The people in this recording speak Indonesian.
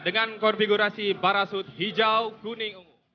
dengan konfigurasi parasut hijau kuning ungu